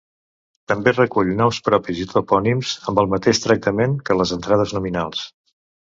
També recull noms propis i topònims, amb el mateix tractament que les entrades nominals.